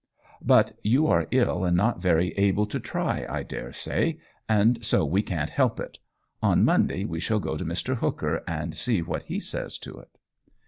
"But you are ill, and not very able to try, I daresay, and so we can't help it. On Monday we shall go to Mr. Hooker, and see what he says to it."